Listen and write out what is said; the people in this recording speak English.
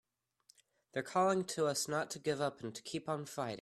They're calling to us not to give up and to keep on fighting!